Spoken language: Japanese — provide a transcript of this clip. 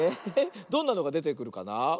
どんなのがでてくるかな？